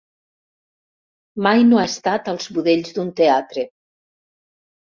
Mai no ha estat als budells d'un teatre.